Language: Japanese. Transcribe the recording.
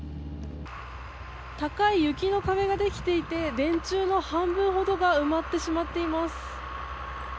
高い雪の壁ができていて電柱の半分ほどが埋まってしまっています。